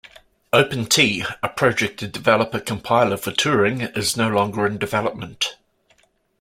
OpenT, a project to develop a compiler for Turing, is no longer in development.